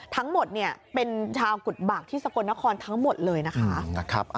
ทั้งหมดเป็นชาวกุฎบากที่สกลนครทั้งหมดเลยนะคะ